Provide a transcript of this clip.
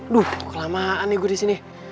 aduh kelamaan nih gua disini